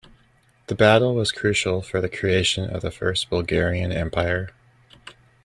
The battle was crucial for the creation of the First Bulgarian Empire.